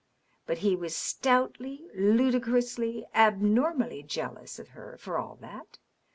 But he was stoutly, ludicrously, abnormally jealous of her, for all that.